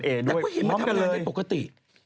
แต่สิมัดทำอะไรในปกติ